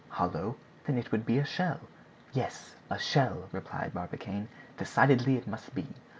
"Hollow? then it would be a shell?" "Yes, a shell," replied Barbicane; "decidely it must be.